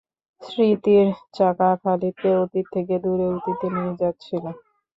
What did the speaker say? স্মৃতির চাকা খালিদকে অতীত থেকে দূর অতীতে নিয়ে যাচ্ছিল।